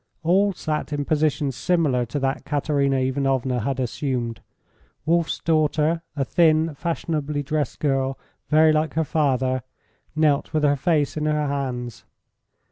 All sat in positions similar to that Katerina Ivanovna had assumed. Wolf's daughter, a thin, fashionably dressed girl, very like her father, knelt with her face in her hands.